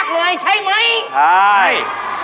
พี่โรย